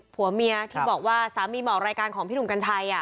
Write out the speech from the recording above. ผัวเมียที่บอกว่าสามีมาออกรายการของพี่หนุ่มกัญชัย